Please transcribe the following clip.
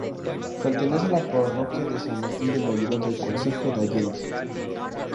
Pertenece a la parroquia de San Martín del Valledor del Concejo de Allande.